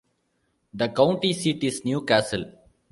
The county seat is New Castle.